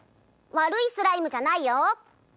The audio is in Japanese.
悪いスライムじゃないよ」。